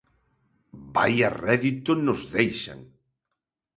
¡Vaia rédito nos deixan!